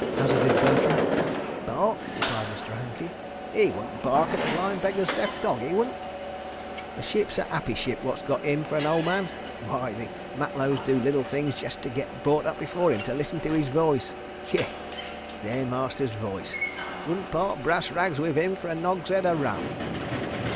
hazarded Bertram. "Bark!" replied Mr. Hankey. "'E wouldn' bark at a blind beggar's deaf dog, 'e wouldn't. ... The ship's a 'Appy Ship wot's got 'im fer Ole Man. ... Why—the matlows do's liddle things jest to git brought up before 'im to listen to 'is voice. ... Yes. ... Their Master's Voice. ... Wouldn' part brass rags wiv 'im for a nogs'ead o' rum.